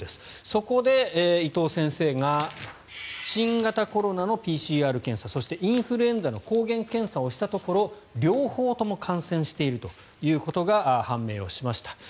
そこで伊藤先生が新型コロナのＰＣＲ検査そしてインフルエンザの抗原検査をしたところ両方とも感染しているということが判明をしました。